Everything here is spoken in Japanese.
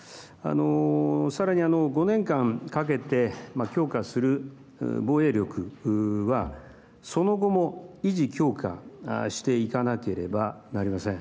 さらに、５年間かけて強化する防衛力はその後も維持、強化していかなければなりません。